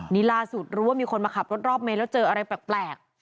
นี่ล่าสุดรู้ว่ามีคนมาขับรถรอบเมนแล้วเจออะไรแปลก